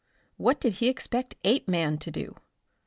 What did he expect Apeman to do?